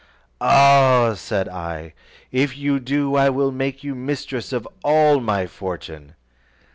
"Ah!" said I, "if you do, I will make you mistress of all my fortune."